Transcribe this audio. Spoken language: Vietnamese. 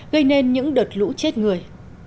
gây nên những đợt lũ chết người